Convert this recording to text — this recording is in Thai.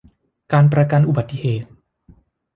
การประกันอุบัติเหตุ